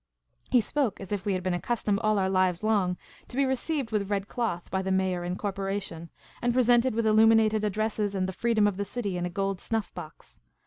He spoke as if we had been accustomed all our lives long to be received with red cloth by the Mayor and Corporation, and presented with illuminated addresses and the freedom of the city in a gold snuff box.